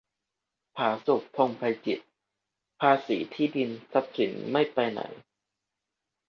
ผาสุก พงษ์ไพจิตร : ภาษีที่ดิน-ทรัพย์สินไม่ไปไหน